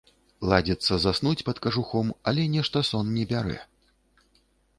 Ладзіцца заснуць пад кажухом, але нешта сон не бярэ.